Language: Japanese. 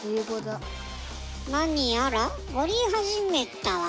何やら折り始めたわね。